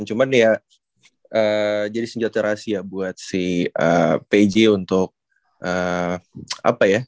cuman ya jadi senjata rahasia buat si pj untuk apa ya